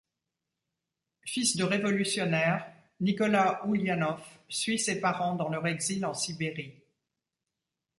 Fils de révolutionnaires, Nicolas Oulianoff suit ses parents dans leur exil en Sibérie.